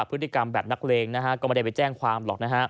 พฤติกรรมแบบนักเลงนะฮะก็ไม่ได้ไปแจ้งความหรอกนะฮะ